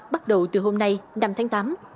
bắt đầu từ hôm nay năm tháng tám